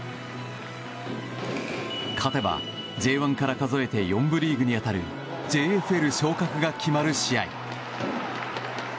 勝てばＪ１から数えて４部リーグに当たるＪＦＬ昇格が決まる試合。